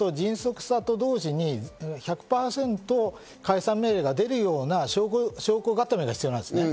迅速さと同時に解散命令が出るような証拠固めが必要なんですね。